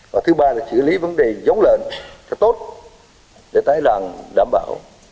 và thứ ba là chữa lý vấn đề giống lợn tốt để tái đoàn đảm bảo